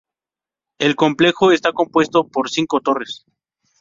El complejo está compuesto por cinco torres.